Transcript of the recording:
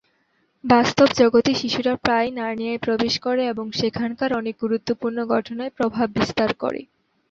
বাস্তব জগতের শিশুরা প্রায়ই নার্নিয়ায় প্রবেশ করে এবং সেখানকার অনেক গুরুত্বপূর্ণ ঘটনায় প্রভাব বিস্তার করে।